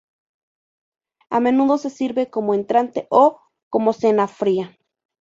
A menudo se sirve como entrante o como cena fría.